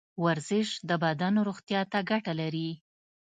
ورزش د بدن روغتیا ته ګټه لري.